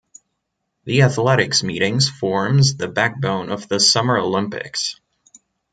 The athletics meeting forms the backbone of the Summer Olympics.